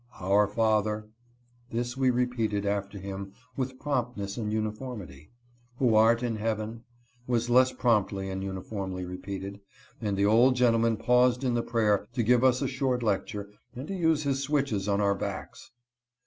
" Our Father" — this we repeated after him with promptness and uniformity —" who art in Heaven," was less promptly and uniformly repeated, and the old gentleman paused in the prayer to give us a short lecture, and to use his switches on our backs.